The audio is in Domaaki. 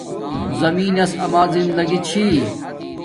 زمین نس اما زنداگی چھی